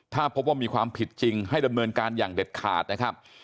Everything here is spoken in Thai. ถ้าพบว่ามีความผิดจริงให้ดำเนินการอย่างเด็ดขาดนะครับ